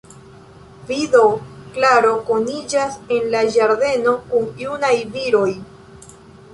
Vi do, Klaro, koniĝas en la ĝardeno kun junaj viroj?